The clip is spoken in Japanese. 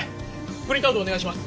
プリントアウトお願いします。